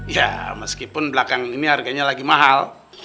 ya meskipun belakang ini harganya lagi mahal